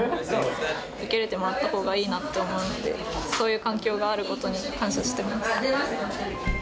受け入れてもらったほうがいいなと思うので、そういう環境があることに感謝してます。